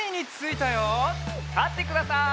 たってください。